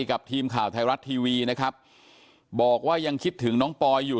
กับทีมข่าวไทยรัฐทีวีนะครับบอกว่ายังคิดถึงน้องปอยอยู่